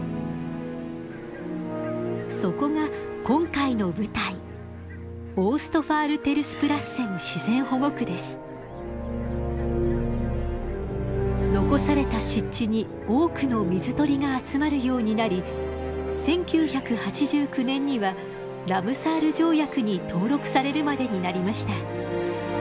そこが今回の舞台残された湿地に多くの水鳥が集まるようになり１９８９年にはラムサール条約に登録されるまでになりました。